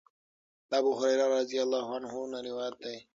د ابوهريره رضی الله عنه نه روايت دی